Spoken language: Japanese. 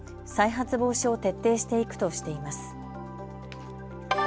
再発防止を徹底していくとしています。